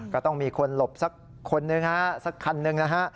ก็ต้องมีคนหลบสักคนหนึ่งฮะสักคันหนึ่งนะฮะ